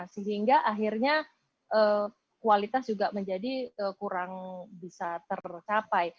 sehingga akhirnya kualitas juga menjadi kurang bisa tercapai